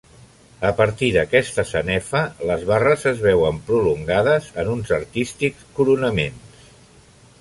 A partir d'aquesta sanefa, les barres es veuen prolongades en uns artístics coronaments.